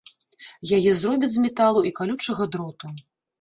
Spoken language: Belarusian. Яе зробяць з металу і калючага дроту.